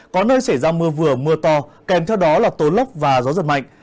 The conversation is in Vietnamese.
có nơi xảy ra mưa vừa mưa to kèm theo đó là tố lốc và gió giật mạnh